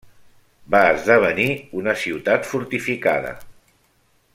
Va esdevenir una ciutat fortificada.